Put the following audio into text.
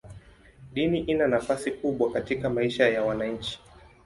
Dini ina nafasi kubwa katika maisha ya wananchi.